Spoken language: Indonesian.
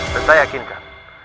dan saya yakinkan